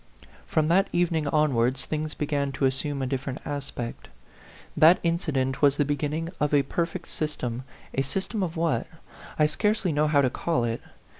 From that evening onwards things began to assume a different aspect. That incident was the beginning of a perfect system a sys tem of what ? I scarcely know how to call it.